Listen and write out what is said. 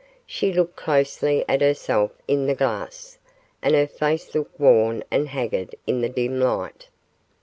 She looked closely at herself in the glass, and her face looked worn and haggard in the dim light.